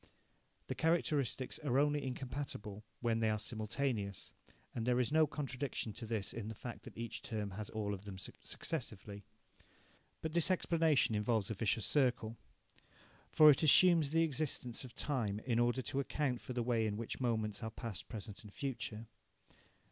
The characteristics are only incompatible when they are simultaneous, and there is no contradiction to this in the fact that each term has all of them successively. But this explanation involves a vicious circle. For it assumes the existence of time in order to account for the way in which moments are past, present and future.